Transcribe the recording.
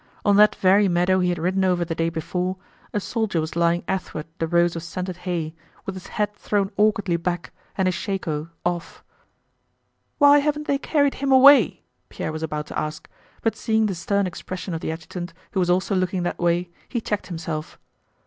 On that very meadow he had ridden over the day before, a soldier was lying athwart the rows of scented hay, with his head thrown awkwardly back and his shako off. "Why haven't they carried him away?" Pierre was about to ask, but seeing the stern expression of the adjutant who was also looking that way, he checked himself.